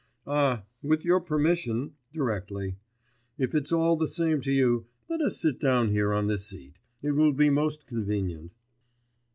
'Ah, with your permission ... directly. If it's all the same to you, let us sit down here on this seat. It will be most convenient.